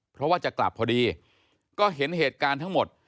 เพราะว่าจะกลับพอดีก็เห็นเหตุการณ์ทั้งหมด